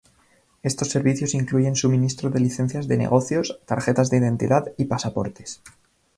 Estos servicios incluyen suministro de licencias de negocios, tarjetas de identidad y pasaportes.